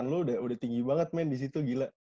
gue liat lompatan lo udah tinggi banget men disitu gila